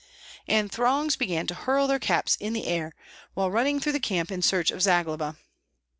And throngs began to hurl their caps in the air, while running through the camp in search of Zagloba.